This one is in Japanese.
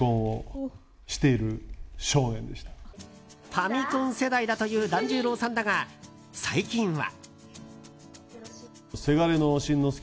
ファミコン世代だという團十郎さんだが、最近は。